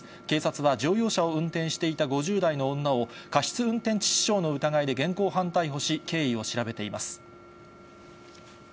警察は乗用車を運転していた５０代の女を過失運転致死傷の疑いで現行犯逮捕し、経緯を調べています。